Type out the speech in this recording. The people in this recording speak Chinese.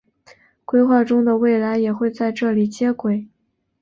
规划中的未来也会在这里接轨。